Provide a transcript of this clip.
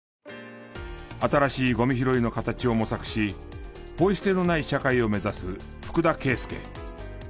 新しいゴミ拾いの形を模索しポイ捨てのない社会を目指す福田圭祐。